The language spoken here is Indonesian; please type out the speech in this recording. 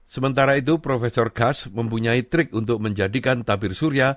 sementara itu profesor gas mempunyai trik untuk menjadikan tabir surya